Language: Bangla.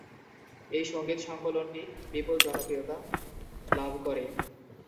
এই সঙ্গীত-সঙ্কলনটি বিপুল জনপ্রিয়তা লাভ করে।